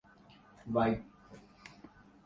اسک معانی پر اور مفہوم پر کبھی غورک بھی نہیں